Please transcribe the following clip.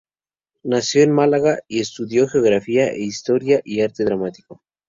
Nació en Málaga y estudió Geografía e Historia y Arte Dramático.